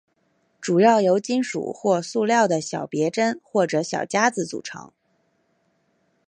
主要由金属或塑料的小别针或小夹子组成。